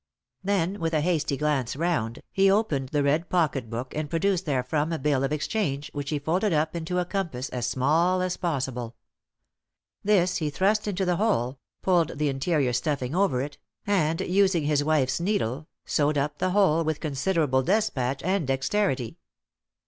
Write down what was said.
Then, with a hasty glance round, he opened the red pocket book and produced therefrom a Bill of Exchange, which he folded up into a compass as small as possible. This he thrust into the hole, pulled the interior stuffing over it, and using his wife's needle, sewed up the hole with considerable despatch and dexterity.